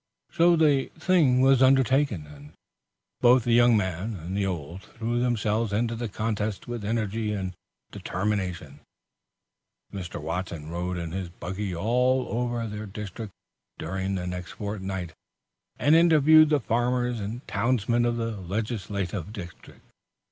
So the thing was undertaken, and both the young man and the old threw themselves into the contest with energy and determination. Mr. Watson rode in his buggy all over their district during the next fortnight, and interviewed the farmers and townsmen of the legislative district.